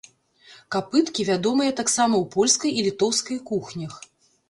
Капыткі вядомыя таксама ў польскай і літоўскай кухнях.